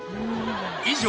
以上